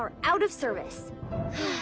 はあ。